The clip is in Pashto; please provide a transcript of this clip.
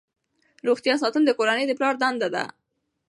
روغتیا ساتل د کورنۍ د پلار دنده ده.